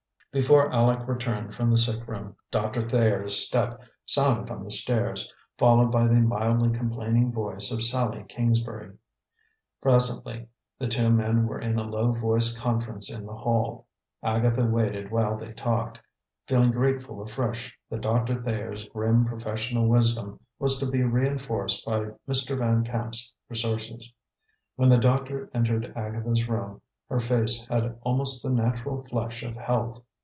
Before Aleck returned from the sick room, Doctor Thayer's step sounded on the stairs, followed by the mildly complaining voice of Sallie Kingsbury. Presently the two men were in a low voiced conference in the hall. Agatha waited while they talked, feeling grateful afresh that Doctor Thayer's grim professional wisdom was to be reinforced by Mr. Van Camp's resources. When the doctor entered Agatha's room, her face had almost the natural flush of health.